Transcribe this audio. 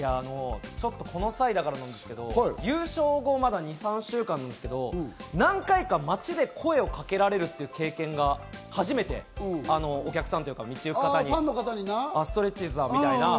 ちょっとこの際だからなんですけど、優勝後まだ２３週間なんですけど、何回か街で声をかけられる経験が初めて、お客さんというか、道行く方にストレッチーズだ！みたいな。